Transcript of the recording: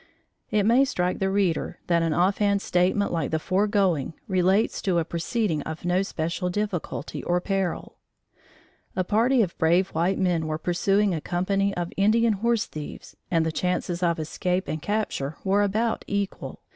It may strike the reader that an offhand statement like the foregoing relates to a proceeding of no special difficulty or peril. A party of brave white men were pursuing a company of Indian horse thieves and the chances of escape and capture were about equal.